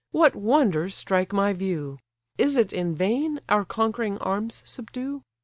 what wonders strike my view! Is it in vain our conquering arms subdue?